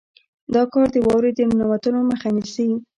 دا کار د واورې د ننوتلو مخه نیسي